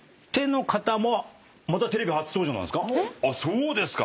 そうですか。